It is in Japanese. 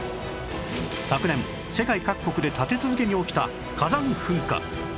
昨年世界各国で立て続けに起きた火山噴火